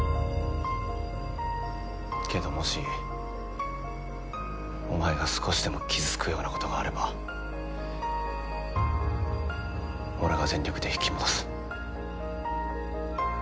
けどもしお前が少しでも傷つくような事があれば俺は全力で引き戻す。